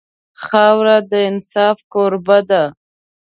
خاوره د انصاف کوربه ده.